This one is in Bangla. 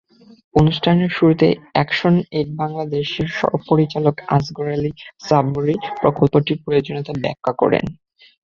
অনুষ্ঠানের শুরুতে একশনএইড বাংলাদেশের পরিচালক আসগর আলী সাবরী প্রকল্পটির প্রয়োজনীয়তা ব্যাখ্যা করেন।